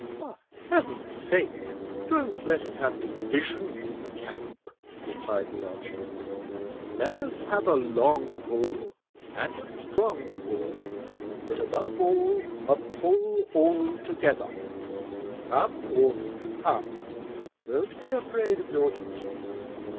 "For heaven's sake, don't let us have division in the camp," replied the archdeacon: "let us have a long pull and a strong pull, but above all a pull all together; come, warden, come; don't be afraid of your duty."